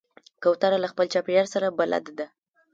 کوتره له خپل چاپېریال سره بلد ده.